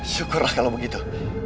syukurlah kalau begitu